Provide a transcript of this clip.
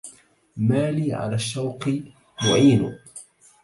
مالي على الشوق معين